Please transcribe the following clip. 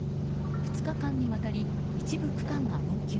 ２日間にわたり一部区間が運休。